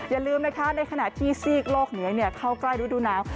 อย่าลืมนะคะในขณะที่ซีกโลกเหนือเข้าใกล้ฤดูหนาว